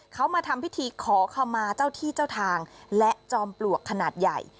เขามาทำพิธีขอขมาเจ้าที่เจ้าทางและจอมปลวกขนาดใหญ่